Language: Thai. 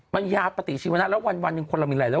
มันยาปฏิชีวนะแล้ววันคนเรามีอะไร